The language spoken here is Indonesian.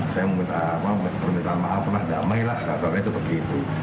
saya permintaan maaf pernah damai lah rasanya seperti itu